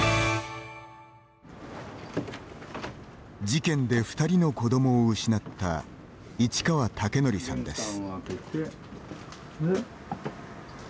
事件で２人の子どもを失った市川武範さんです。